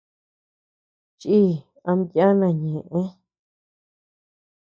Chii ama yana ñëʼe.